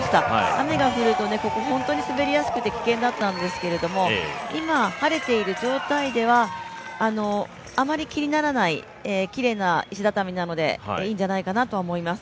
雨が降るとここ、本当に滑りやすくて危険だったんですけど、今、晴れている状態ではあまり気にならないきれいな石畳なのでいいんじゃないかなと思います。